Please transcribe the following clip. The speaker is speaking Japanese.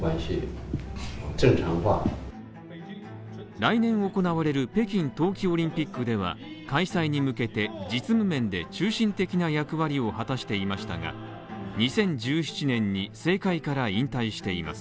来年行われる北京冬季オリンピックでは開催に向けて実務面で中心的な役割を果たしていましたが、２０１７年に政界から引退しています